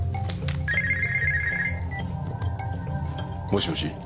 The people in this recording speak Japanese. もしもし。